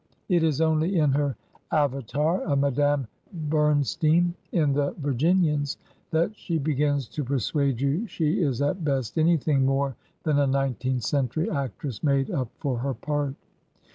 It is only in her avatar of Madame Bernstein, in "The Virginians," that she begins to persuade you she is at best anyilnng more than a nineteenth century actress made up for her part.